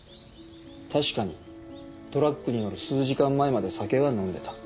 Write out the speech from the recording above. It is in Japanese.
確かにトラックに乗る数時間前まで酒は飲んでた。